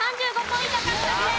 ３５ポイント獲得です。